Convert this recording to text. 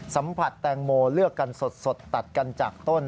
สัมผัสแตงโมเลือกกันสดตัดกันจากต้น